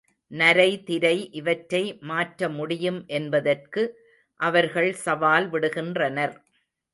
நரை திரை இவற்றை மாற்ற முடியும் என்பதற்கு அவர்கள் சவால் விடுகின்றனர்.